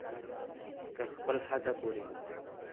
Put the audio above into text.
تر خپل حده پورې